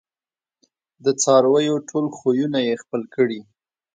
د څارویو ټول خویونه یې خپل کړي